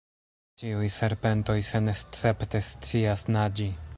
Ĉiuj serpentoj senescepte scias naĝi.